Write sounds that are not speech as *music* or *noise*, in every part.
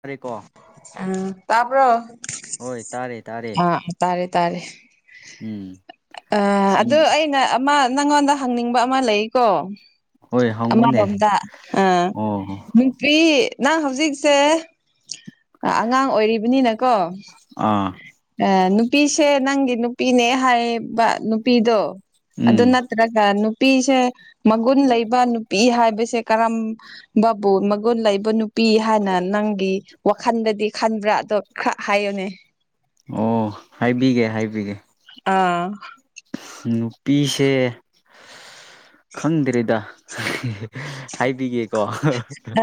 ꯇꯥꯔꯦꯀꯣ ꯑꯥ ꯇꯥꯕ꯭ꯔꯣ ꯍꯣꯏ ꯇꯥꯔꯦ ꯇꯥꯔꯦ ꯑꯥ ꯇꯥꯔꯦ ꯇꯥꯔꯦ ꯎꯝ ꯑꯥ ꯑꯗꯨ ꯁꯤꯡ ꯑꯩꯅ ꯑꯃ ꯅꯉꯣꯟꯗ ꯍꯪꯅꯤꯡꯕ ꯑꯃ ꯂꯩꯀꯣ ꯍꯣꯏ ꯍꯪꯉꯨꯅꯦ ꯑꯃꯔꯣꯝꯗ ꯑꯥ ꯑꯣ ꯀ꯭ꯔꯤ ꯅꯪ ꯍꯧꯖꯤꯛꯁꯦ ꯑꯥ ꯑꯉꯥꯡ ꯑꯣꯏꯔꯤꯕꯅꯤꯅꯀꯣ ꯑꯥ ꯑ ꯅꯨꯄꯤꯁꯦ ꯅꯪꯒꯤ ꯅꯨꯄꯤꯅꯦ ꯍꯥꯏꯌꯦꯕ ꯅꯨꯄꯤꯗꯣ ꯑꯗꯨ ꯅꯠ ꯎꯝ ꯅꯠꯇ꯭ꯔꯒ ꯅꯨꯄꯤꯁꯦ ꯃꯒꯨꯟ ꯂꯩꯕ ꯅꯨꯄꯤ ꯍꯥꯏꯕꯁꯦ ꯀꯔꯝ ꯕꯥꯕꯨ ꯃꯒꯨꯟ ꯂꯩꯕ ꯅꯨꯄꯤ ꯍꯥꯏꯅ ꯅꯪꯒꯤ ꯋꯥꯈꯟꯗꯗꯤ ꯈꯟꯕ꯭ꯔꯥ ꯑꯗꯣ ꯈꯔ ꯍꯥꯏꯌꯨꯅꯦ ꯑꯣ ꯍꯥꯏꯕꯤꯒꯦ ꯍꯥꯏꯕꯤꯒꯦ ꯑꯥ ꯅꯨꯄꯤꯁꯦ ꯈꯪꯗ꯭ꯔꯦꯗ ꯍꯥꯏꯕꯤꯒꯦꯀꯣ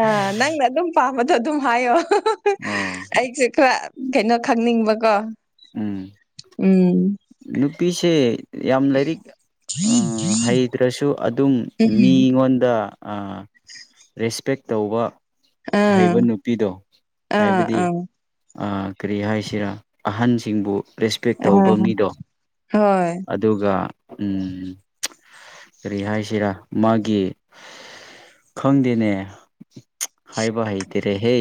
ꯑꯥ ꯅꯪꯅ ꯑꯗꯨꯝ ꯄꯥꯝꯕꯗꯣ ꯑꯗꯨꯝ ꯍꯥꯏꯌꯣ ꯑꯣ *inaudible* ꯑꯩꯁꯦ ꯈꯔ ꯀꯩꯅꯣ ꯈꯪꯅꯤꯡꯕꯀꯣ ꯎꯝ ꯎꯝ ꯅꯨꯄꯤꯁꯦ ꯌꯥꯝ ꯂꯥꯏꯔꯤꯛ ꯎꯝ ꯍꯩꯇ꯭ꯔꯁꯨ ꯑꯗꯨꯝ ꯎꯝ ꯃꯤꯉꯣꯟꯗ ꯑ ꯔꯦꯁꯄꯦꯛ ꯇꯧꯕ ꯑꯥ ꯍꯩꯕ ꯅꯨꯄꯤꯗꯣ ꯑꯥ ꯍꯥꯏꯕꯗꯤ ꯑꯥ ꯀꯔꯤ ꯍꯥꯏꯁꯤꯔꯥ ꯑꯍꯟꯁꯤꯡꯕꯨ ꯔꯦꯁꯄꯦꯛ ꯇꯧꯕ ꯎꯝ ꯃꯤꯗꯣ ꯍꯣꯏ ꯑꯗꯨꯒ ꯎꯝ ꯀꯔꯤ ꯍꯥꯏꯁꯤꯔꯥ ꯃꯥꯒꯤ ꯈꯪꯗꯦꯅꯦ ꯍꯥꯏꯕ ꯍꯩꯇꯥꯔꯦꯍꯦ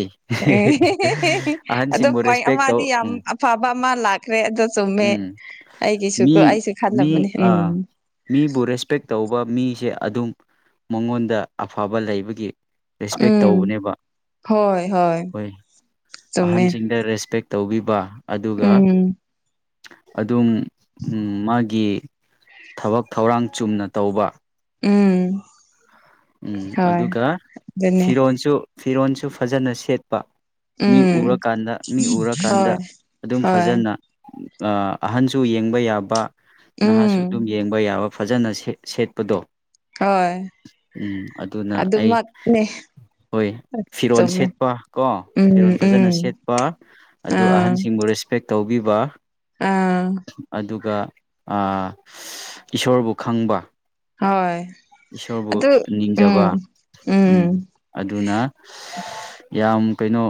*inaudible* ꯑꯗꯣ ꯀꯃꯥꯏ ꯔꯦꯁꯄꯦꯛ ꯑꯃꯥꯗꯤ ꯇꯧ ꯌꯥꯝ ꯎꯝ ꯑꯐꯕ ꯑꯃ ꯂꯥꯛ ꯈ꯭ꯔꯦ ꯑꯗ‌ꯣ ꯆꯨꯝꯃꯦ ꯎꯝ ꯑꯩꯒꯤꯁꯨꯀ‌ꯣ ꯃꯤ ꯑꯩꯁꯨ ꯃꯤ ꯈꯜꯂꯕꯅꯤ ꯎꯝ ꯑꯥ ꯃꯤꯕꯨ ꯔꯦꯁꯄꯦꯛ ꯇꯧꯕ ꯃꯤꯁꯦ ꯑꯗꯨꯝ ꯃꯉꯣꯟꯗ ꯑꯐꯕ ꯂꯩꯕꯒꯤ ꯔꯦꯁꯄꯦꯛ ꯎꯝ ꯇꯧꯕꯅꯦꯕ ꯍꯣꯏ ꯆꯨꯝꯃꯦ ꯑꯍꯟꯁꯤꯡꯗ ꯔꯦꯁꯄꯦꯛ ꯇꯧꯕꯤꯕ ꯑꯗꯨꯒ ꯎꯝ ꯑꯗꯨꯝ ꯃꯥꯒꯤ ꯊꯕꯛ ꯊꯧꯔꯥꯡ ꯆꯨꯝꯅ ꯇꯧꯕ ꯎꯝ ꯎꯝ ꯍꯣꯏ ꯑꯗꯨꯒ ꯑꯗꯨꯅꯦ ꯐꯤꯔꯣꯟꯁꯨ ꯐꯤꯔꯣꯟꯁꯨ ꯐꯖꯅ ꯁꯦꯠꯄ ꯃꯤ ꯎꯝ ꯎꯔꯥꯀꯥꯟꯗ ꯃꯤ ꯎꯔꯥꯀꯥꯟꯗ ꯍꯣꯏ ꯑꯗꯨꯝ ꯍꯣꯏ ꯐꯖꯅ ꯑꯥ ꯑꯍꯟꯁꯨ ꯌꯦꯡꯕ ꯌꯥꯕ ꯎꯝ ꯅꯍꯥꯁꯨ ꯑꯗꯨꯝ ꯌꯦꯡꯕ ꯌꯥꯕ ꯐꯖꯅ ꯁꯦꯠ ꯁꯦꯠꯄꯗꯣ ꯍꯣꯏ ꯎꯝ ꯑꯗꯨꯅ ꯑꯩ ꯑꯗꯨꯃꯛꯅꯦ ꯍꯣꯏ ꯐꯤꯔꯣꯟ ꯆꯨꯝꯃꯦ ꯁꯦꯠꯄ ꯀꯣ ꯎꯝ ꯐꯤꯔꯣꯟ ꯐꯖꯅ ꯎꯝ ꯁꯦꯠꯄ ꯑꯗꯨ ꯑꯥ ꯑꯍꯟꯁꯤꯡꯕꯨ ꯔꯦꯁꯄꯦꯛ ꯇꯧꯕꯤꯕ ꯑꯥ ꯑꯗꯨꯒ ꯏꯁꯣꯔꯕꯨ ꯈꯪꯕ ꯍꯣꯏ ꯏꯁꯣꯔꯕꯨ ꯑꯗꯨ ꯅꯤꯡꯖꯕ ꯎꯝ ꯑꯗꯨꯅ ꯌꯥꯝ ꯀꯩꯅꯣ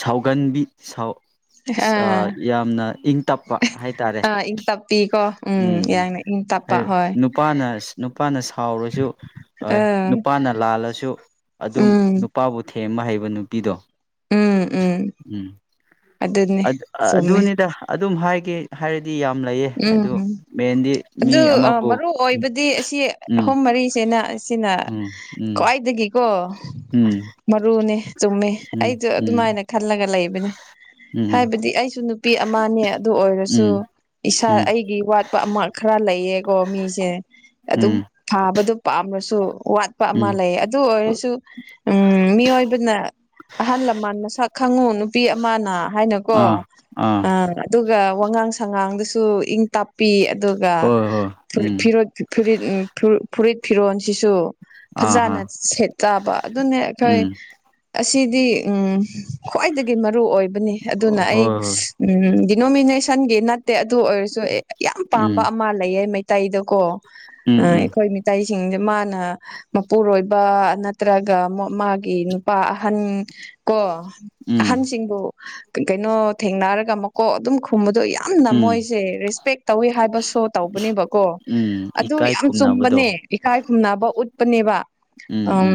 ꯁꯥꯎꯒꯟꯕꯤ ꯁꯥꯎ ꯑꯥ ꯌꯥꯝꯅ ꯏꯪ ꯇꯞꯄ ꯍꯥꯏꯇꯥꯔꯦ ꯑꯥ ꯏꯪ ꯇꯞꯄꯤꯀꯣ ꯎꯝ ꯎꯝ-ꯍꯝ ꯌꯥꯡꯅ ꯏꯪ ꯇꯞꯄ ꯑꯩꯏ ꯍꯣꯏ ꯅꯨꯄꯥꯅ ꯅꯨꯄꯥꯅ ꯁꯥꯎꯔꯁꯨ ꯍꯣꯏ ꯑꯥ ꯅꯨꯄꯥꯅ ꯂꯥꯜꯂꯁꯨ ꯑꯗꯨꯝ ꯎꯝ ꯅꯨꯄꯥꯕꯨ ꯊꯦꯝꯕ ꯍꯩꯕ ꯅꯨꯄꯤꯗꯣ ꯎꯝ-ꯎꯝ ꯎꯝ ꯑꯗꯨꯅꯤꯗ ꯑꯗꯨꯝ ꯍꯥꯏꯒꯦ ꯍꯥꯏꯔꯗꯤ ꯌꯥꯝ ꯂꯩꯌꯦ ꯎꯝ ꯑꯗꯨ ꯃꯦꯟꯗꯤ ꯃꯤ ꯑꯗꯨ ꯑꯃꯕꯨ ꯃꯔꯨ ꯑꯣꯏꯕꯗꯤ ꯑꯁꯤ ꯎꯝ ꯑꯍꯨꯝ ꯃꯔꯤꯁꯤꯅ ꯑꯁꯤꯅ ꯎꯝ ꯎꯝ ꯈ꯭ꯋꯥꯏꯗꯒꯤꯀꯣ ꯎꯝ ꯃꯔꯨꯅꯦ ꯆꯨꯝꯃꯦ ꯎꯝ ꯑꯩꯁꯨ ꯎꯝ ꯑꯗꯨꯃꯥꯏꯅ ꯈꯜꯂꯒ ꯂꯩꯕꯅꯤ ꯎꯝ ꯍꯥꯏꯕꯗꯤ ꯑꯩꯁꯨ ꯅꯨꯄꯤ ꯑꯃꯅꯦ ꯑꯗꯨ ꯑꯣꯏꯔꯁꯨ ꯎꯝ ꯏꯁꯥ ꯎꯝ ꯑꯩꯒꯤ ꯋꯥꯠꯄ ꯑꯃ ꯈꯔ ꯂꯩꯌꯦꯀꯣ ꯃꯤꯁꯦ ꯑꯗꯨꯝ ꯎꯝ ꯐꯥꯕꯗꯨ ꯄꯥꯝꯅꯁꯨ ꯋꯥꯠꯄ ꯑꯃ ꯎꯝ ꯂꯩ ꯑꯗꯨ ꯑꯣꯏꯔꯁꯨ ꯎꯝ ꯃꯤꯑꯣꯏꯕꯅ ꯑꯍꯜ ꯂꯃꯟ ꯃꯁꯛ ꯈꯪꯉꯨ ꯅꯨꯄꯤ ꯑꯃꯅ ꯍꯥꯏꯅꯀꯣ ꯑꯥ ꯑꯥ ꯑꯪ ꯑꯗꯨꯒ ꯋꯥꯉꯥꯡ ꯁꯉꯥꯡꯗꯨꯁꯨ ꯁꯨ ꯏꯪ ꯇꯞꯄꯤ ꯑꯗꯨꯒ ꯍꯣꯏ ꯍꯣꯏ ꯎꯝ ꯐꯨ-ꯐꯤꯔꯣꯠ ꯐꯨꯔꯤꯠ ꯎꯝ ꯐꯨꯔꯤꯠ ꯐꯤꯔꯣꯟꯜꯁꯤꯁꯨ ꯑꯥ ꯍꯥ ꯐꯖꯅ ꯁꯦꯠ ꯆꯥꯕ ꯑꯗꯨꯅꯦ ꯑꯩꯈꯣꯏ ꯎꯝ ꯑꯁꯤꯗꯤ ꯎꯝ ꯈ꯭ꯋꯥꯏꯗꯒꯤ ꯃꯔꯨꯑꯣꯏꯕꯅꯤ ꯍꯣꯏ ꯑꯗꯨꯅ ꯑꯩ ꯍꯣꯏ ꯎꯝ ꯗꯤꯅꯣꯃꯤꯅꯦꯁꯟꯒꯤ ꯅꯠꯇꯦ ꯑꯗꯨ ꯑꯣꯏꯔꯁꯨ ꯑꯦ ꯌꯥꯝ ꯄꯥꯝꯕ ꯎꯝ ꯑꯃ ꯂꯩꯌꯦ ꯃꯩ ꯃꯤꯇꯩꯗꯀꯣ ꯎꯝ ꯎꯝ ꯑꯩꯈꯣꯏ ꯃꯤꯇꯩꯁꯤꯡꯁꯦ ꯃꯥꯅ ꯃꯄꯨꯔꯣꯏꯕ ꯅꯠꯇ꯭ꯔꯒ ꯃꫭ-ꯃꯥꯒꯤ ꯅꯨꯄꯥ ꯑꯍꯟ ꯀꯣ ꯎꯝ ꯑꯍꯟꯁꯤꯡꯕꯨ ꯀꯩꯅꯣ ꯊꯦꯡꯅꯔꯒ ꯃꯀꯣꯛ ꯑꯗꯨꯝ ꯈꯨꯝꯕꯗꯣ ꯌꯥꯝ ꯌꯥꯝꯅ ꯎꯝ ꯃꯣꯏꯁꯦ ꯔꯦꯁꯄꯦꯛ ꯇꯧꯋꯤ ꯍꯥꯏꯕꯁꯨ ꯇꯧꯕꯅꯦꯕꯀꯣ ꯎꯝ ꯑꯗꯨ ꯏꯀꯥꯏ ꯌꯥꯝ ꯈꯨꯝꯅꯕꯗꯣ ꯆꯨꯝꯕꯅꯦ ꯏꯀꯥꯏ ꯈꯨꯝꯅꯕ ꯎꯠꯄꯅꯦꯕ ꯎꯝ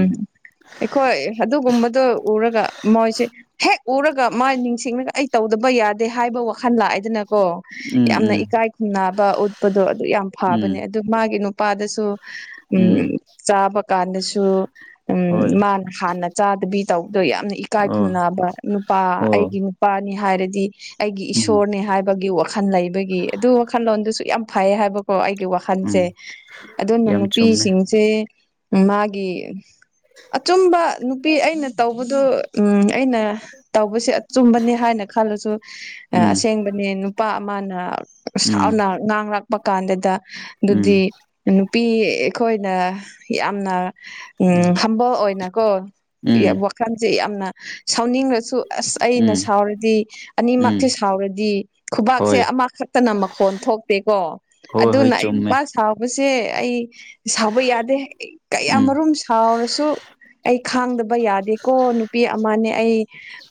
ꯑꯩꯈꯣꯏ ꯑꯗꯨꯒꯨꯝꯕꯗꯣ ꯎꯔꯒ ꯃꯣꯏꯁꯦ ꯍꯦꯛ ꯎꯔꯒ ꯃꯥ ꯅꯤꯡꯁꯤꯡꯉꯒ ꯑꯩ ꯇꯧꯗꯕ ꯌꯥꯗꯦ ꯍꯥꯏꯕ ꯋꯥꯈꯜ ꯂꯥꯛꯑꯦꯗꯅ ꯀꯣ ꯎꯝ ꯌꯥꯝꯅ ꯎꯝ ꯏꯀꯥꯏ ꯈꯨꯝꯅꯕ ꯎꯠꯄꯗꯣ ꯑꯗꯨ ꯌꯥꯝ ꯎꯝ ꯐꯕꯅꯦ ꯑꯗꯨ ꯃꯥꯒꯤ ꯅꯨꯄꯥꯗꯁꯨ ꯎꯝ ꯆꯥꯕ ꯀꯥꯟꯗꯁꯨ ꯍꯣꯏ ꯎꯝ ꯃꯥꯒꯤ ꯍꯥꯟꯅ ꯆꯥꯗꯕꯤ ꯇꯧꯕꯗꯣ ꯌꯥꯝꯅ ꯏꯀꯥꯏ ꯑꯣ ꯈꯨꯝꯅꯕ ꯅꯨꯄꯥ ꯑꯣ ꯑꯩꯒꯤ ꯅꯨꯄꯥꯅꯤ ꯍꯥꯏꯔꯗꯤ ꯑꯩꯒꯤ ꯎꯝ ꯏꯁꯣꯔꯅꯤ ꯍꯥꯏꯕꯒꯤ ꯋꯥꯈꯜ ꯂꯩꯕꯒꯤ ꯑꯗꯨ ꯋꯥꯈꯜꯂꯣꯟꯗꯨꯁꯨ ꯌꯥꯝ ꯐꯩ ꯍꯥꯏꯕꯀꯣ ꯑꯩꯒꯤ ꯋꯥꯈꯜ ꯈꯟꯁꯦ ꯎꯝ ꯑꯗꯨꯕ ꯌꯥꯝ ꯆꯨꯝꯃꯦ ꯅꯨꯄꯤꯁꯤꯡꯁꯦ ꯃꯥꯒꯤ ꯑꯆꯨꯝꯕ ꯅꯨꯄꯤ ꯑꯩꯅ ꯇꯧꯕꯗꯨ ꯑꯩꯅ ꯇꯧꯕꯁꯦ ꯑꯆꯨꯝꯕꯅ‌ꯦ ꯍꯥꯏꯅ ꯈꯜꯂꯁꯨ ꯑꯥ ꯎꯝ ꯑꯁꯦꯡ ꯑꯦ ꯅꯨꯄꯥ ꯑꯃꯅ ꯎꯝ ꯁꯥꯎꯅ ꯉꯥꯡꯂꯛꯄ ꯀꯥꯟꯗꯨꯗ ꯑꯗꯨꯗꯤ ꯎꯝ ꯅꯨꯄꯤ ꯑꯩꯈꯣꯏꯅ ꯌꯥꯝꯅ ꯎꯝ ꯍꯝꯕꯣꯜ ꯑꯣꯏꯅꯀꯣ ꯎꯝ ꯋꯥꯈꯜꯁꯦ ꯌꯥꯝꯅ ꯁꯥꯎꯅꯤꯡꯉꯁꯨ ꯑꯁ ꯑꯩꯅ ꯎꯝ ꯁꯥꯎꯔꯗꯤ ꯑꯅꯤꯃꯛꯁ‌ꯦ ꯎꯝ ꯁꯥꯎꯔꯗꯤ ꯈꯨꯕꯥꯛꯁꯦ ꯍꯣꯏ ꯑꯃꯈꯛꯇꯅ ꯃꯈꯣꯟ ꯊꯣꯛꯇꯦꯀꯣ ꯍꯣꯏ ꯍꯣꯏ ꯑꯗꯨꯅ ꯑꯩ ꯅꯨꯄꯥ ꯆꯨꯝꯃꯦ ꯁꯥꯎꯕꯁꯦ ꯑꯩ ꯁꯥꯎꯕ ꯌꯥꯗꯦ ꯎꯝ ꯀꯌꯥꯃꯔꯨꯝ ꯍꯥꯎꯔꯁꯨ ꯑꯩ ꯈꯥꯡꯗꯕ ꯌꯥꯗꯦꯀꯣ ꯅꯨꯄꯤ ꯑꯃꯅꯦ ꯑꯩ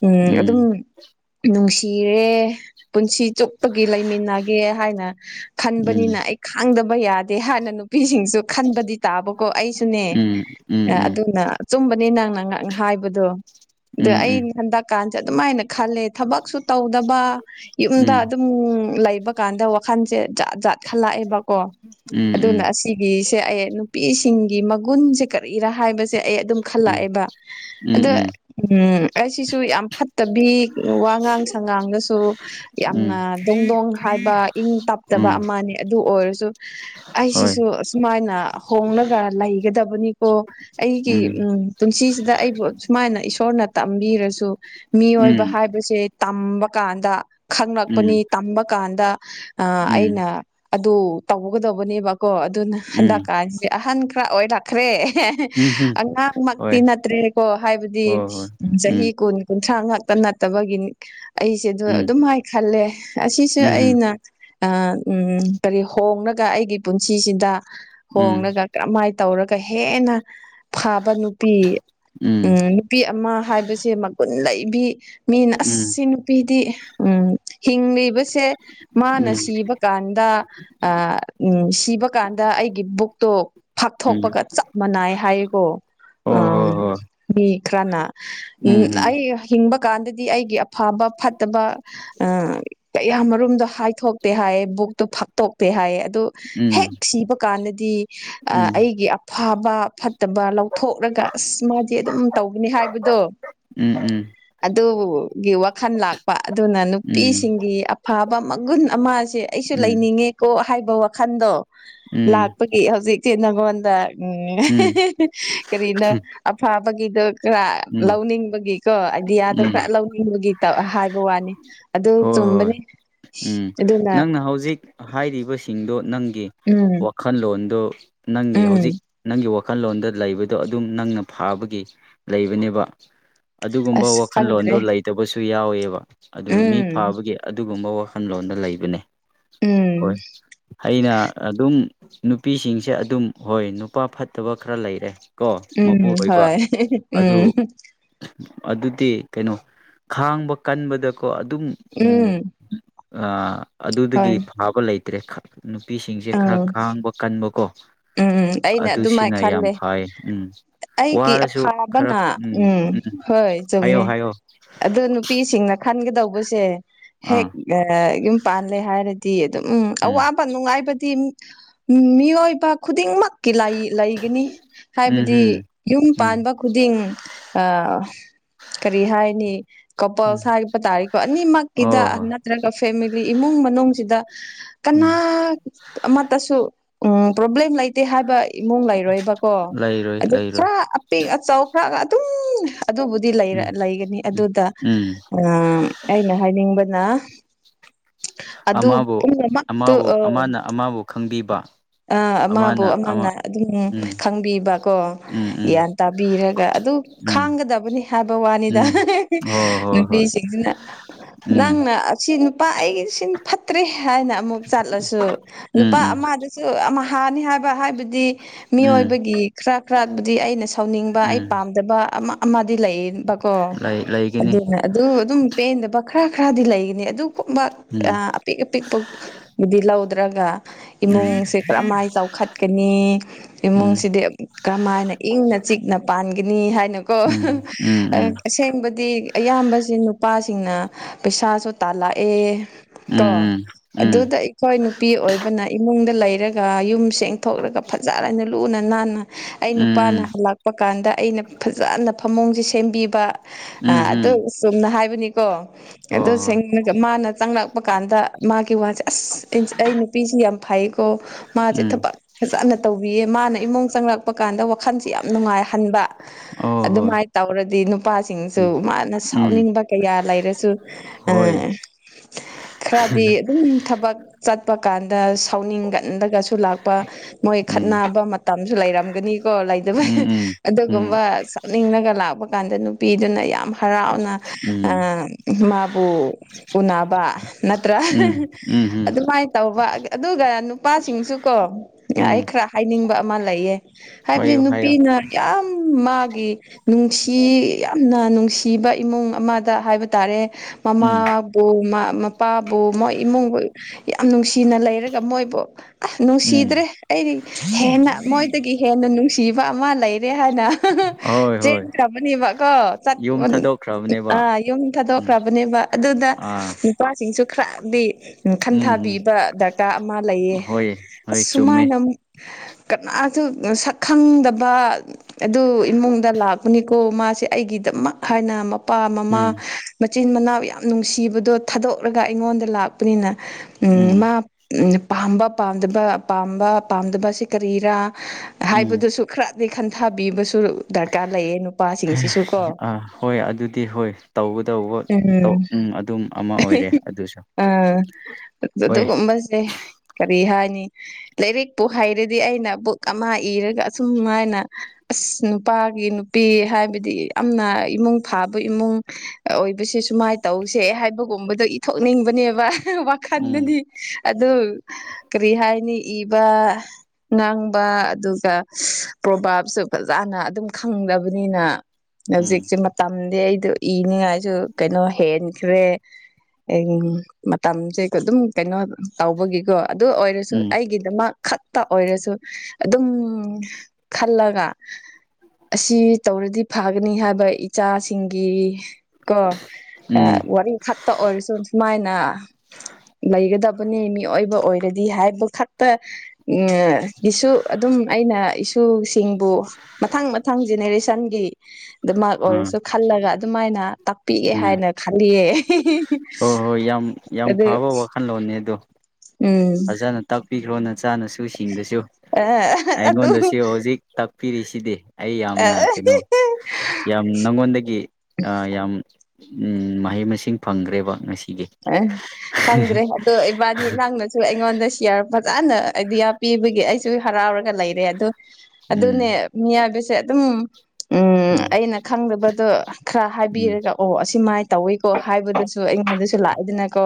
ꯎꯝ ꯑꯗꯨꯝ ꯅꯨꯡꯁꯤꯔꯦ ꯄꯨꯟꯁꯤ ꯆꯨꯞꯄꯒꯤ ꯂꯩꯃꯤꯟꯅꯒꯦ ꯍꯥꯏꯅ ꯎꯝ ꯈꯟꯕꯅꯤꯅ ꯑꯩ ꯈꯥꯡꯗꯕ ꯌꯥꯗꯦ ꯍꯥꯏꯅ ꯅꯨꯄꯤꯁꯤꯡꯁꯨ ꯈꯟꯕꯗꯤ ꯇꯥꯕꯀꯣ ꯑꯩꯁꯨꯅꯦ ꯎꯝ ꯎꯝ ꯑꯥ ꯎꯝ ꯑꯗꯨꯅ ꯑꯆꯨꯝꯕꯅꯤ ꯅꯪꯅ ꯍꯥꯏꯕꯗꯣ ꯑ ꯎꯝ ꯑꯩ ꯎꯝ ꯍꯟꯗꯛ ꯀꯥꯟꯁꯦ ꯑꯗꯨꯝꯃꯥꯏꯅ ꯈꯜꯂꯦ ꯊꯕꯛꯁꯨ ꯇꯧꯗꯕ ꯌꯨꯝꯗ ꯑꯗꯨꯝ ꯎꯝ ꯂꯩꯕ ꯀꯥꯟꯗ ꯋꯥꯈꯜꯁꯦ ꯖꯥꯠ-ꯖꯥꯠ ꯈꯜꯂꯛꯑꯦꯕꯀꯣ ꯑꯗꯨꯅ ꯑꯁꯤ ꯒꯤꯁꯦ ꯑꯩ ꯅꯨꯄꯤꯁꯤꯡꯒꯤ ꯃꯒꯨꯟꯁꯦ ꯀꯔꯤꯔꯥ ꯍꯥꯏꯕꯁꯦ ꯑꯩ ꯑꯗꯨꯝ ꯎꯝ ꯈꯜꯂꯛꯑꯦꯕ ꯑꯗꯣ ꯎꯝ ꯎꯝ ꯑꯩꯁꯤꯁꯨ ꯌꯥꯝ ꯐꯠꯇꯕꯤ ꯋꯥꯉꯥꯡ ꯁꯉꯥꯡꯗꯁꯨ ꯎꯝ ꯌꯥꯝꯅ ꯗꯣꯡ-ꯗꯣꯡ ꯍꯥꯏꯕ ꯏꯪ ꯇꯞꯇꯕ ꯎꯝ ꯑꯃꯅꯤ ꯑꯗꯨꯑꯣꯏꯔꯁꯨ ꯍꯣꯏ ꯑꯩꯁꯤꯁꯨ ꯁꯨꯃꯥꯏꯅ ꯍꯣꯡꯂꯒ ꯂꯩꯒꯗꯕꯅꯤꯀꯣ ꯑꯩꯒꯤ ꯎꯝ ꯄꯨꯟꯁꯤꯁꯤꯗ ꯑꯩꯕꯨ ꯁꯨꯃꯥꯏꯅ ꯏꯁꯣꯔꯅ ꯇꯝꯕꯤꯔꯁꯨ ꯎꯝ ꯃꯤꯑꯣꯏꯕ ꯎꯝ ꯍꯥꯏꯕꯁꯦ ꯇꯝꯕ ꯀꯥꯟꯗ ꯈꯪꯂꯛꯄꯅꯤ ꯇꯝꯕ ꯀꯥꯟꯗ ꯑꯥ ꯎꯝ ꯑꯩꯅ ꯑꯗꯨ ꯇꯧꯒꯗꯕꯅꯦꯕꯀꯣ ꯑꯗꯨꯅ ꯍꯟꯗꯛ ꯎꯝ ꯎꯝ ꯀꯥꯏ ꯑꯍꯟ ꯈ꯭ꯔ ꯑꯣꯏ ꯈ꯭ꯔꯦ ꯍꯝ ꯑꯉꯥꯡꯃꯛꯇꯤ ꯍꯣꯏ ꯅꯠꯇ꯭ꯔꯦꯀꯣ ꯍꯥꯏꯕꯗꯤ ꯍꯣꯏ ꯍꯣꯏ ꯆꯍꯤ ꯎꯝ ꯀꯨꯟ ꯀꯨꯟꯊ꯭ꯔꯥ ꯉꯥꯛꯇ ꯅꯠꯇꯕꯒꯤ ꯑꯩꯁꯦꯗ ꯎꯝ ꯑꯗꯨꯝ ꯍꯥꯏ ꯈꯜꯂꯦ ꯑꯁꯤꯁꯨ ꯎꯝ ꯎꯝ ꯑꯩꯅ ꯑꯥ ꯎꯝ ꯀꯔꯤ ꯍꯣꯡꯉꯒ ꯑꯩꯒꯤ ꯄꯨꯟꯁꯤꯁꯤꯗ ꯎꯝ ꯍꯣꯡꯉꯒ ꯀꯃꯥꯏꯅ ꯇꯧꯔꯒ ꯍꯦꯟꯅ ꯐꯥꯕ ꯅꯨꯄꯤ ꯎꯝ ꯅꯨꯄꯤ ꯑꯃ ꯍꯥꯏꯕꯁꯦ ꯃꯒꯨꯟ ꯂꯩꯕꯤ ꯃꯤꯅ ꯎꯝ ꯑꯁꯤ ꯅꯨꯄꯤꯗꯤ ꯎꯝ ꯍꯤꯡꯂꯤꯕꯁꯦ ꯃꯥꯅ ꯎꯝ ꯁꯤꯕꯀꯥꯟꯗ ꯑꯥ ꯎꯝ ꯁꯤꯕꯀꯥꯟꯗ ꯑꯩꯒꯤ ꯕꯨꯛꯇꯣ ꯎꯝ ꯐꯥꯛꯊꯣꯛꯄꯒ ꯆꯞ ꯃꯥꯟꯅꯩ ꯍꯥꯏꯌꯦꯀꯣ ꯑ ꯍꯣꯏ ꯍꯣꯏ ꯍꯣꯏ ꯃꯤ ꯈꯔꯅ ꯎꯝ ꯑꯩ ꯍꯤꯡꯕ ꯀꯥꯟꯗꯗꯤ ꯑꯩꯒꯤ ꯑꯐꯕ ꯐꯠꯇꯕ ꯑ ꯀꯌꯥꯃꯔꯨꯝꯗꯣ ꯍꯥꯏꯊꯣꯛꯇꯦ ꯍꯥꯏꯌꯦ ꯕꯨꯛꯇꯣ ꯐꯥꯛꯠꯇꯣꯛꯇꯦ ꯍꯥꯏꯌꯦ ꯑꯗꯨ ꯎꯝ ꯎꯝ ꯍꯦꯛ ꯁꯤꯕ ꯀꯥꯟꯗꯗꯤ ꯑꯥ ꯎꯝ ꯑꯩꯒꯤ ꯑꯐꯕ ꯐꯠꯇꯕ ꯂꯧꯊꯣꯛꯂꯒ ꯑꯁ ꯃꯥꯗꯤ ꯑꯗꯨꯝ ꯇꯧꯕꯅꯤ ꯍꯥꯏꯕꯗꯣ ꯎꯝ ꯎꯝ ꯑꯗꯨꯒꯤ ꯋꯥꯈꯜ ꯂꯥꯛꯄ ꯑꯗꯨꯅ ꯎꯝ ꯅꯨꯄꯤꯁꯤꯡꯒꯤ ꯑꯐꯕ ꯃꯒꯨꯟ ꯑꯃꯁꯦ ꯑꯩꯁꯨ ꯂꯩꯅꯤꯡꯉꯦꯀꯣ ꯍꯥꯏꯕ ꯋꯥꯈꯟꯗꯣ ꯎꯝ ꯎꯝ ꯂꯥꯛꯄꯒꯤ ꯍꯧꯖꯤꯛꯇꯤ ꯅꯉꯣꯟꯗ ꯎꯝ ꯀꯔꯤꯅ ꯑꯐꯥꯕꯒꯤꯗ ꯈꯔ ꯎꯝ ꯂꯧꯅꯤꯡꯕꯒꯤ ꯀꯣ ꯑꯥꯏꯗꯤꯌꯥꯗꯣ ꯈꯔ ꯎꯝ ꯂꯧꯅꯤꯡꯕꯒꯤ ꯇꯧ ꯍꯥꯏ ꯋꯥꯅꯤ ꯑꯗꯨ ꯍꯣꯏ ꯍꯣꯏ ꯆꯨꯝꯕꯅꯤ ꯎꯝ ꯑꯗꯨꯅ ꯅꯪꯅ ꯍꯧꯖꯤꯛ ꯍꯥꯏꯔꯤꯕꯁꯤꯡꯗꯣ ꯅꯪꯒꯤ ꯎꯝ ꯈꯜꯂꯣꯟꯗꯨ ꯅꯪꯒꯤ ꯍꯧꯖꯤꯛ ꯎꯝ ꯅꯪꯒꯤ ꯋꯥ ꯋꯥꯈꯜꯂꯣꯟꯗ ꯂꯩꯕꯗꯣ ꯑꯗꯨꯝ ꯅꯪꯅ ꯐꯥꯕꯒꯤ ꯂꯩꯕꯅꯦꯕ ꯑꯗꯨꯒꯨꯝꯕ ꯑꯁ ꯋꯥꯈꯜꯂꯣꯟꯗꯣ ꯈꯪꯗ꯭ꯔꯦ ꯂꯩ ꯍꯇꯕꯁꯨ ꯌꯥꯎꯋꯦꯕ ꯑꯗꯨꯅ ꯃꯤ ꯎꯝ ꯐꯥꯕꯒꯤ ꯑꯗꯨꯒꯨꯝꯕ ꯋꯥꯈꯜꯂꯣꯟꯗ ꯂꯩꯕꯅꯦ ꯎꯝ ꯍꯣꯏ ꯑꯩꯅ ꯑꯗꯨꯝ ꯅꯨꯄꯤꯁꯤꯡꯁꯦ ꯑꯗꯨꯝ ꯍꯣꯏ ꯅꯨꯄꯥ ꯐꯠꯇꯕ ꯈꯔ ꯂꯩꯔꯦ ꯀꯣ ꯎꯝ ꯃꯄꯨꯔꯣꯏꯕ ꯍꯣꯏ ꯑꯗꯨ ꯎꯝ ꯑꯗꯨꯗꯤ ꯀꯩꯅꯣ ꯈꯥꯡꯕ ꯀꯟꯕꯗꯀꯣ ꯑꯗꯨꯝ ꯎꯝ ꯑꯗꯨꯗꯒꯤ ꯍꯣꯏ ꯐꯥꯕ ꯂꯩꯇ꯭ꯔꯦ ꯅꯨꯄꯤꯁꯤꯡꯁꯦ ꯈꯔ ꯎꯝ ꯈꯥꯡꯕ ꯀꯟꯕꯀꯣ ꯎꯝ ꯑꯩꯅ ꯑꯗꯨꯃꯥꯏꯅ ꯑꯗꯨꯁꯤꯅ ꯌꯥꯝ ꯈꯜꯂꯦ ꯐꯩ ꯎꯝ ꯑꯩꯒꯤ ꯑꯐꯥꯕꯅ ꯎꯝ ꯍꯣꯏ ꯍꯥꯏꯌꯣ ꯆꯨꯝꯃꯦ ꯍꯥꯏꯌꯣ ꯑꯗꯨ ꯅꯨꯄꯤꯁꯤꯡꯅ ꯈꯟꯒꯗꯧꯕꯁꯦ ꯍꯦꯛ ꯑꯥ ꯌꯨꯝ ꯄꯥꯜꯂꯦ ꯍꯥꯏꯔꯗꯤ ꯑꯗꯨꯝ ꯎꯝ ꯑꯋꯥꯕ ꯅꯨꯡꯉꯥꯏꯕꯗꯤ ꯃꯤꯑꯣꯏꯕ ꯈꯨꯗꯤꯡꯃꯛ ꯀꯤꯂꯩ-ꯂꯩꯒꯅꯤ ꯎꯝ ꯍꯥꯏꯕꯗꯤ ꯎꯝ ꯌꯨꯝ ꯎꯝ ꯄꯥꯟꯕ ꯈꯨꯗꯤꯡ ꯑꯥ ꯀꯔꯤ ꯍꯥꯏꯅꯤ ꯎꯝ ꯀꯣꯄꯜꯁ ꯍꯥꯏꯄ ꯇꯥꯔꯤꯀꯣ ꯑꯅꯤꯃꯛꯀꯤꯗ ꯑꯣ ꯍꯣꯏ ꯅꯠꯇ꯭ꯔꯒ ꯐꯦꯃꯤꯂꯤ ꯏꯃꯨꯡ ꯃꯅꯨꯡꯁꯤꯗ ꯀꯅꯥ ꯎꯝ ꯑꯃꯠꯇꯁꯨ ꯄ꯭ꯔꯣꯕ꯭ꯂꯦꯝ ꯂꯩꯇꯦ ꯍꯥꯏꯕ ꯏꯃꯨꯡ ꯂꯩꯔꯣꯏꯕꯀꯣ ꯂꯩꯔꯣꯏ ꯑꯗꯩ ꯂꯩꯔꯣꯏ ꯈꯔ ꯑꯄꯤꯛ ꯑꯆꯥꯎ ꯈꯔꯒ ꯑꯗꯨꯝ ꯑꯗꯨꯕꯨꯗꯤ ꯂꯩ ꯎꯝ ꯂꯩꯒꯅꯤ ꯎꯝ ꯑꯗꯨꯗ ꯎꯝ ꯑ ꯑꯩꯅ ꯍꯥꯏꯅꯤꯡꯕꯅ ꯑꯗꯨ ꯑꯃꯕꯨ ꯄꯨꯝꯅꯃꯛꯇꯨ ꯑꯃꯕꯨ ꯑꯃꯅ ꯑꯃꯕꯨ ꯈꯪꯕꯤꯕ ꯑ ꯑꯃꯕꯨ ꯑꯃꯅ ꯑꯗꯨꯝ ꯎꯝ ꯈꯪꯕꯤꯕ ꯀꯣ ꯎꯝ ꯎꯝ ꯒ꯭ꯌꯥꯟ ꯇꯥꯕꯤꯔꯒ ꯑꯗꯨ ꯎꯝ ꯈꯥꯡꯒꯗꯕꯅꯤ ꯍꯥꯏꯕ ꯋꯥꯅꯤꯗ ꯎꯝ ꯍꯣꯏ ꯍꯣꯏ ꯍꯣꯏ ꯅꯨꯄꯤꯁꯤꯡꯁꯤꯅ ꯎꯝ ꯁꯤ ꯅꯨꯄꯥ ꯑꯩꯒꯤ ꯁꯤꯅ ꯐꯠꯇ꯭ꯔꯦ ꯍꯥꯏꯅ ꯑꯃꯨꯛ ꯆꯠꯂꯁꯨ ꯎꯝ ꯅꯨꯄꯥ ꯎꯝ ꯑꯃꯗ ꯇꯌꯨ ꯑꯝꯍꯥꯅꯤ ꯍꯥꯏꯕ ꯍꯥꯏꯕꯗꯤ ꯎꯝ ꯃꯤꯑꯣꯏꯕꯒꯤ ꯈꯔ-ꯈꯔꯕꯨꯗꯤ ꯑꯩꯅ ꯁ ꯁꯧꯅꯤꯡꯕ ꯑꯩ ꯎꯝ ꯄꯥꯝꯗꯕ ꯑꯃ-ꯑꯃꯗꯤ ꯂꯩꯌꯦꯕꯀꯣ ꯂꯩ ꯂꯩꯒꯅꯤ ꯑꯗꯨꯅ ꯑꯗꯨ ꯑꯗꯨꯝ ꯄꯦꯟꯗꯕ ꯈꯔ ꯈꯔꯗꯤ ꯂꯩꯒꯅꯤ ꯑꯗꯨꯒꯨꯝꯕ ꯎꯝ ꯑꯄꯤꯛ ꯑꯄꯤꯛꯄꯕꯨꯗꯤ ꯂꯧꯗ꯭ꯔꯒ ꯎꯝ ꯏꯃꯨꯡꯁꯦ ꯀꯔꯝꯃꯥꯏ ꯆꯥꯎꯈꯠꯀꯅꯤ ꯎꯝ ꯏꯃꯨꯡꯁꯤꯗꯤ ꯀꯔꯝꯍꯥꯏꯅ ꯏꯪꯅ ꯆꯤꯛꯅ ꯄꯥꯟꯒꯅꯤ ꯍꯥꯏꯅꯀꯣ ꯎꯝ ꯎꯝ ꯑꯁꯦꯡꯕꯗꯤ ꯑꯌꯥꯝꯕꯁꯤ ꯅꯨꯄꯥꯁꯤꯡꯅ ꯄꯩꯁꯥꯁꯨ ꯇꯥꯜꯂꯛꯑꯦ ꯎꯝ ꯀꯣ ꯎꯝ ꯎꯝ ꯑꯗꯨꯗ ꯑꯩꯈꯣꯏ ꯅꯨꯄꯤ ꯑꯣꯏꯕꯅ ꯏꯃꯨꯡꯗ ꯂꯩꯔꯒ ꯌꯨꯝ ꯁꯦꯡꯊꯣꯛꯂꯒ ꯐꯖꯅ ꯂꯨꯅ ꯅꯥꯟꯅ ꯑꯩ ꯅꯨꯄꯥꯅ ꯎꯝ ꯍꯜ ꯄ ꯀꯥꯟꯗ ꯑꯩꯅ ꯐꯖꯅ ꯐꯃꯨꯡꯁꯦ ꯁꯦꯝꯕꯤꯕ ꯑꯗꯨ ꯎꯝ ꯆꯨꯝꯅ ꯍꯥꯏꯕꯅꯤꯀꯣ ꯑꯗꯨꯁꯦꯡꯂꯒ ꯃꯥꯅ ꯆꯪꯂꯛꯄ ꯀꯥꯟꯗ ꯃꯥꯒꯤ ꯋꯥꯁꯦ ꯑꯁ ꯑꯩ ꯅꯨꯄꯤꯁꯤ ꯌꯥꯝ ꯐꯩꯀꯣ ꯃꯥꯁꯦ ꯎꯝ ꯎꯝ ꯊꯕꯛ ꯐꯖꯅ ꯇꯧꯕꯤꯌꯦ ꯃꯥꯅ ꯏꯃꯨꯡ ꯆꯪꯂꯛꯄ ꯀꯥꯟꯗ ꯋꯥꯈꯜꯁꯤ ꯌꯥꯝ ꯅꯨꯡꯉꯥꯏꯍꯟꯕ ꯍꯣꯏ ꯍꯣꯏ ꯎꯝ ꯑꯣ ꯍꯣꯏ ꯑꯗꯨꯃꯥꯏꯅ ꯇꯧꯔꯗꯤ ꯅꯨꯄꯥꯁꯤꯡꯁꯨ ꯎꯝ ꯃꯥꯅ ꯎꯝ ꯁꯥꯎꯅꯤꯡꯕ ꯀꯌꯥ ꯂꯩꯔꯁꯨ ꯍꯣꯏ ꯑ ꯈꯔꯗꯤ ꯑꯗꯨꯝ ꯊꯕꯛ ꯆꯠꯄ ꯀꯥꯟꯗ ꯁꯥꯎꯅꯤꯡꯒꯟꯕꯒꯁꯨ ꯁꯨ ꯂꯥꯛꯄ ꯃꯣꯏ ꯎꯝ ꯈꯠꯅꯕ ꯃꯇꯝꯁꯨ ꯂꯩꯔꯝꯒꯅꯤ ꯀꯣ ꯂꯩꯗꯕ ꯎꯝ ꯎꯝ ꯎꯝ ꯑꯗꯨꯒꯨꯝꯕ ꯆꯛꯅꯤꯡꯂꯒ ꯂꯥꯛꯄ ꯀꯥꯟꯗ ꯅꯨꯄꯤꯗꯨꯅ ꯌꯥꯝ ꯍꯔꯥꯎꯅ ꯎꯝ ꯃꯥꯕꯨ ꯎꯅꯕ ꯅꯠꯇ꯭ꯔꯥ ꯎꯝ ꯎꯝ ꯎꯝ ꯑꯗꯨꯃꯥꯏꯅ ꯇꯧꯕ ꯑꯗꯨꯒ ꯅꯨꯄꯥꯁꯤꯡꯁꯨ ꯀꯣ ꯑꯩ ꯎꯝ ꯈꯔ ꯍꯥꯏꯅꯤꯡꯕ ꯑꯃ ꯂꯩꯌꯦ ꯍꯥꯏꯕꯗꯤ ꯍꯥꯏꯌꯣ ꯅꯨꯄꯤ ꯍꯥꯏꯌꯣ ꯌꯥꯝ ꯃꯥꯒꯤ ꯅꯨꯡꯁꯤ ꯌꯥꯝꯅ ꯅꯨꯡꯁꯤ ꯀꯤꯕ ꯏꯃꯨꯡ ꯑꯃꯗ ꯍꯥꯏꯕ ꯇꯥꯔꯦ ꯎꯝ ꯃꯃꯥ ꯃꯄꯥꯕꯨ ꯃꯣꯏ ꯏꯃꯨꯡꯕꯨ ꯌꯥꯝ ꯅꯨꯡꯁꯤꯅ ꯂꯩꯔ ꯃꯣꯏꯕꯨ ꯑ ꯎꯝ ꯅꯨꯡꯁꯤꯗ꯭ꯔꯦ ꯑꯩꯗꯤ ꯍꯦꯟꯅ ꯃꯣꯏꯗꯒꯤ ꯍꯦꯟꯅ ꯅꯨꯡꯁꯤ ꯊꯤꯕ ꯑꯃ ꯂꯩꯔꯦ ꯍꯥꯏꯅ ꯍꯣꯏ ꯍꯣꯏ ꯆꯦꯟꯈ꯭ꯔꯕꯅꯦꯕ ꯀꯣ ꯌꯨꯝ ꯊꯥꯗꯣꯛꯈ꯭ꯔꯕꯅꯦꯕ ꯑꯥ ꯌꯨꯝ ꯎꯝ ꯊꯥꯗꯣꯛꯈ꯭ꯔꯕꯅꯦꯕ ꯑꯗꯨꯗ ꯑꯥ ꯅꯨꯄꯥꯁꯤꯡꯁꯨ ꯈꯔꯗꯤ ꯎꯝ ꯈꯟꯊꯕꯤꯕ ꯗꯔꯀꯥꯔ ꯑꯃ ꯂꯩꯌꯦ ꯍꯣꯏ ꯑꯁ ꯍꯣꯏ ꯆꯨꯝꯃꯦ ꯁꯨꯃꯥꯏꯅꯃꯨꯛ ꯀꯅꯥꯁꯨ ꯁꯛ ꯈꯪꯗꯕ ꯑꯗꯨ ꯏꯃꯨꯡꯗ ꯂꯥꯛ ꯕꯅꯤꯀꯣ ꯃꯥꯁꯦ ꯑꯩꯒꯤꯗꯃꯛ ꯍꯥꯏꯅ ꯃꯄꯥ ꯃꯃꯥ ꯎꯝ ꯃꯆꯤꯟ ꯃꯅꯥꯎ ꯌꯥꯝ ꯅꯨꯡꯁꯤꯕꯗꯣ ꯊꯥꯗꯣꯛꯂꯒ ꯑꯩꯉꯣꯟꯗ ꯂꯥꯛꯄꯅꯤꯅ ꯎꯝ ꯃꯥ ꯄꯥꯝꯕ ꯄꯥꯝꯗꯕ ꯄꯥꯝꯕ ꯄꯥꯝꯗꯕꯁꯤ ꯀꯔꯤꯔꯥ ꯎꯝ ꯍꯥꯏꯕꯗꯨꯁꯨ ꯈꯔꯗꯤ ꯈꯟꯊꯕꯤꯕꯁꯨ ꯗꯔꯀꯥꯔ ꯂꯩꯌꯦ ꯅꯨꯄꯥꯁꯤꯡꯁꯤꯁꯨ ꯀꯣ ꯑꯥ ꯍꯣꯏ ꯑꯗꯨꯗꯤ ꯍꯣꯏ ꯇꯧꯒꯗꯧꯕ ꯎꯝ ꯑꯗꯨꯝ ꯑꯃ ꯑꯣꯏꯔꯦ ꯑꯗꯨꯁꯨ ꯑꯥ ꯍꯣꯏ ꯑꯗꯨꯒꯨꯝꯕꯁꯦ ꯀꯔꯤ ꯍꯥꯏꯅꯤ ꯂꯥꯏꯔꯤꯛꯄꯨ ꯍꯩꯔꯗꯤ ꯑꯩꯅ ꯕꯨꯛ ꯑꯃ ꯏꯔꯒ ꯑꯁꯨꯝꯃꯥꯏꯅ ꯑꯁ ꯅꯨꯄꯥꯒꯤ ꯅꯨꯄꯤ ꯍꯥꯏꯕꯗꯤ ꯌꯥꯝꯅ ꯏꯃꯨꯡ ꯐꯥꯕ ꯏꯃꯨꯡ ꯑꯣꯏꯕꯁꯦ ꯁꯨꯃꯥꯏ ꯇꯧꯁꯦ ꯍꯥꯏꯕꯒꯨꯝꯕꯗꯣ ꯏꯊꯣꯛꯅꯤꯡꯕꯅꯦꯕ ꯎꯝ ꯋꯥꯈꯟꯗꯗꯤ ꯑꯗꯨ ꯀꯔꯤ ꯍꯥꯏꯅꯤ ꯏꯕ ꯉꯥꯡꯕ ꯑꯗꯨꯒ ꯄ꯭ꯔꯣꯚꯥꯞꯁꯨ ꯐꯖꯅ ꯑꯗꯨꯝ ꯈꯪꯗꯕꯅꯤꯅ ꯎꯝ ꯍꯧꯖꯤꯛꯁꯦ ꯃꯇꯝꯗꯤ ꯑꯩꯗꯣ ꯏꯅꯤꯡꯉꯥꯏꯁꯨ ꯀꯩꯅꯣ ꯍꯦꯟꯈ꯭ꯔꯦ ꯃꯇꯝꯁꯦ ꯑꯗꯨꯝ ꯀꯩꯅꯣ ꯇꯧꯕꯒꯤꯀꯣ ꯑꯗꯨ ꯑꯣꯏꯔꯁꯨ ꯎꯝ ꯑꯩꯒꯤꯗꯃꯛ ꯈꯛꯇ ꯑꯣꯏꯔꯁꯨ ꯑꯗꯨꯝ ꯈꯜꯂꯒ ꯑꯁꯤ ꯇꯧꯔꯗꯤ ꯐꯒꯅꯤ ꯍꯥꯏꯕ ꯏꯆꯥꯁꯤꯡꯒꯤ ꯀꯣ ꯎꯝ ꯋꯥꯔꯤ ꯈꯛꯇ ꯑꯣꯏꯔꯁꯨ ꯁꯨꯃꯥꯏꯅ ꯂꯩꯒꯗ ꯃꯤꯑꯣꯏꯕ ꯑꯣꯏꯔꯗꯤ ꯍꯥꯏꯕ ꯈꯛꯇ ꯎꯝ ꯒꯤꯁꯨ ꯑꯗꯨꯝ ꯑꯩꯅ ꯏꯁꯨ ꯁꯤꯡꯕꯨ ꯃꯊꯪ ꯃꯊꯪ ꯖꯦꯅꯦꯔꯦꯁꯟꯒꯤ ꯗꯃꯛ ꯑꯥ ꯑꯣꯏꯔꯁꯨ ꯈꯜꯂꯒ ꯑꯗꯨꯃꯥꯏꯅ ꯇꯥꯛꯄꯤꯒ‌ꯦ ꯍꯥꯏꯅ ꯈꯜꯂꯤꯌꯦ ꯍꯣ-ꯍꯣꯏ ꯌꯥꯝ-ꯌꯥꯝ ꯑꯗꯨ ꯐꯕ ꯋꯥꯈꯜꯂꯣꯟꯅꯦ ꯑꯗꯣ ꯎꯝ ꯐꯖꯅ ꯇꯥꯛꯄꯤꯈ꯭ꯔꯣ ꯅꯆꯥꯅꯁꯨ ꯁꯤꯡꯗꯁꯨ ꯑ ꯑꯗꯨ ꯑꯩꯉꯣꯟꯗꯁꯨ ꯍꯧꯖꯤꯛ ꯇꯥꯛꯄꯤꯔꯤꯁꯤꯗꯤ ꯑꯩ ꯌꯥꯝꯅ ꯑ ꯀꯩꯅꯣ ꯌꯥꯝ ꯅꯪꯉꯣꯟꯗꯒꯤ ꯑꯥ ꯌꯥꯝ ꯃꯍꯩ ꯃꯁꯤꯡ ꯐꯪꯈ꯭ꯔꯦꯕ ꯉꯁꯤꯒꯤ ꯑ ꯈꯪꯗ꯭ꯔꯦ ꯑꯗꯣ ꯏꯕꯥꯅꯤ ꯅꯪꯅꯁꯨ ꯑꯩꯉꯣꯟꯗ ꯁꯤꯌꯥꯔ ꯐꯖꯅ ꯑꯥꯏꯗꯤꯌꯥ ꯄꯤꯕꯒꯤ ꯑꯩꯁꯨ ꯍꯔꯥꯎꯔꯒ ꯂꯩꯔꯦ ꯑꯗꯨ ꯑꯗꯨꯅꯦ ꯎꯝ ꯃꯤꯍꯥꯏꯕꯁꯦ ꯑꯗꯨꯝ ꯎꯝ ꯑꯩꯅ ꯈꯪꯗꯕꯗꯣ ꯈꯔ ꯎꯝ ꯍꯥꯏꯕꯤꯔꯒ ꯑꯣ ꯑꯁꯤꯃꯥꯏꯅ ꯇꯧꯋꯤꯀꯣ ꯍꯥꯏꯕꯗꯨꯁꯨ ꯑꯩꯉꯣꯟꯗꯁꯨ ꯂꯥꯛꯑꯦꯗꯅꯀꯣ